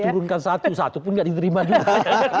turunkan satu satu pun nggak diterima juga